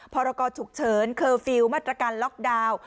พรกรฉุกเฉินเคอร์ฟิลล์มาตรการล็อกดาวน์